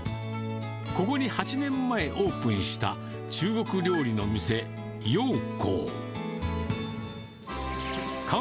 ここに８年前オープンした、中国料理の店、揚江。